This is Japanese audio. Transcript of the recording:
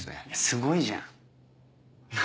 すごいじゃん。何？